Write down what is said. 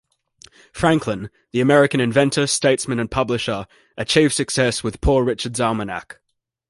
Franklin, the American inventor, statesman, and publisher, achieved success with "Poor Richard's Almanack".